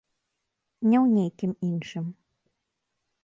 Не ў нейкім іншым.